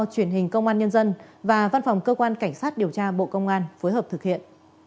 truyền hình công an nhân dân và văn phòng cơ quan cảnh sát điều tra bộ công an phối hợp thực hiện